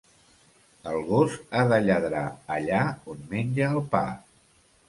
El gos ha de lladrar allà on menja el pa.